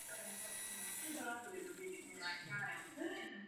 Musíme zajistit, aby se společnosti nemohly vyhnout zodpovědnosti.